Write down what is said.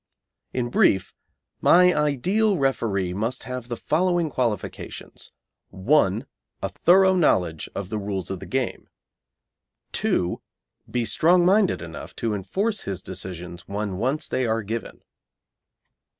In brief, my ideal referee must have the following qualifications: 1. A thorough knowledge of the rules of the game. 2. Be strong minded enough to enforce his decisions when once they are given.